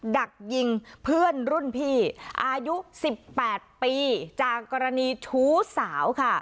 ดักยิงเพื่อนรุ่นพี่อายุ๑๘ปีจากกรณีชู้สาวค่ะ